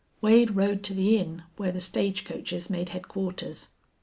Wade rode to the inn where the stagecoaches made headquarters.